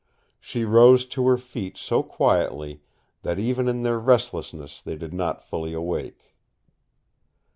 She rose to her feet so quietly that even in their restlessness they did not fully awake.